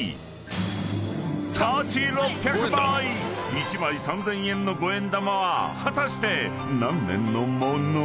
［１枚３，０００円の五円玉は果たして何年の物？］